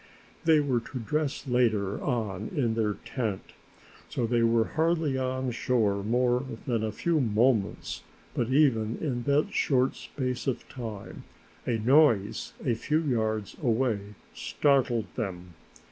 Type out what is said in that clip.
They were to dress later on in their tent, so they were hardly on shore more than a few moments, but even in that short space of time a noise a few yards away startled them.